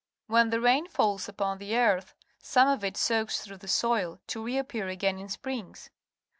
When the rain falls upon the earth, some of it soaks through the soil, to reappear again in springs.